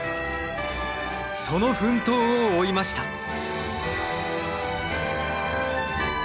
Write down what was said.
その奮闘を追いました。